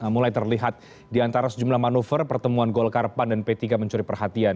mulai terlihat diantara sejumlah manuver pertemuan golkarpan dan p tiga mencuri perhatian